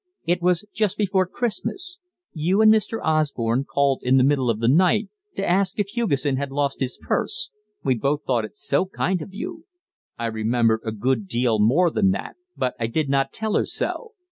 It was just before Christmas. You and Mr. Osborne called in the middle of the night to ask if Hugesson had lost his purse: we both thought it so kind of you." I remembered a good deal more than that, but I did not tell her so.